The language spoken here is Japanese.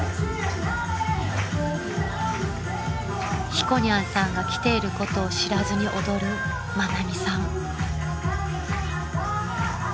［ひこにゃんさんが来ていることを知らずに踊る愛美さん］